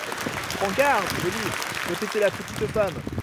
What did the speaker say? Prends garde, Joliffe! répétait la petite femme.